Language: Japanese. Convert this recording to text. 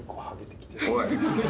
おい。